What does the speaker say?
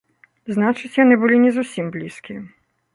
Значыць, яны былі не зусім блізкія.